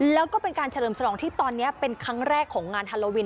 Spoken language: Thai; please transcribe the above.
แล้วก็เป็นการเฉลิมฉลองที่ตอนนี้เป็นครั้งแรกของงานฮาโลวิน